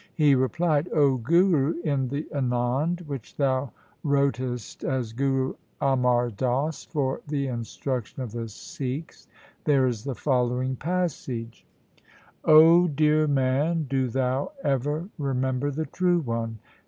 He replied, ' O Guru, in the Anand which thou wrotest as Guru Amar Das for the instruction of the Sikhs, there is the following passage :— O dear man, do thou ever remember the True One.